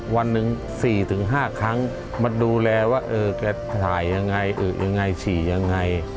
วันหนึ่ง๔๕ครั้งมาดูแลว่าเออแกถ่ายยังไงอึยังไงฉี่ยังไง